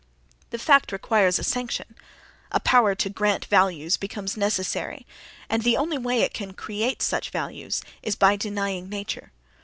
The fact requires a sanction—a power to grant values becomes necessary, and the only way it can create such values is by denying nature....